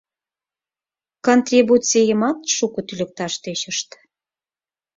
Контрибуцымат шуко тӱлыкташ тӧчышт.